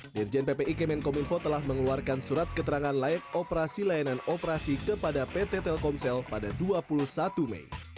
dirjen ppi kemenkominfo telah mengeluarkan surat keterangan layak operasi layanan operasi kepada pt telkomsel pada dua puluh satu mei